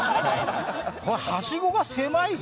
はしごが狭いぞ。